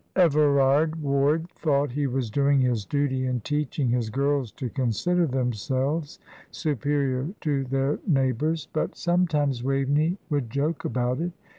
Everard Ward thought he was doing his duty in teaching his girls to consider themselves superior to their neighbours, but sometimes Waveney would joke about it.